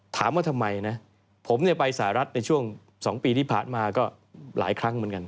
ถามว่าทำไมนะผมไปสหรัฐในช่วง๒ปีที่ผ่านมาก็หลายครั้งเหมือนกัน